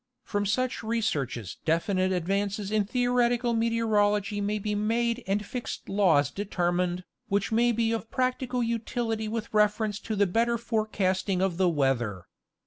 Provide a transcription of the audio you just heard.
From such researches definite advances in theo retical meteorology may be made and fixed laws determined, which may be of practical utility with reference to the better forecasting of the weather.